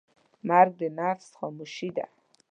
مرګ د نفس خاموشي ده.